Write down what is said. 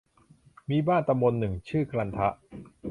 มีบ้านตำบลหนึ่ง ชื่อกลันทะ